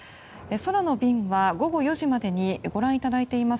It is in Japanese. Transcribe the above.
空の便は午後４時までにご覧いただいています